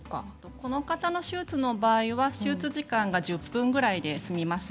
この方の手術の場合は手術時間が１０分ぐらいで済みます。